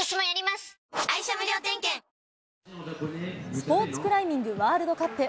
スポーツクライミングワールドカップ。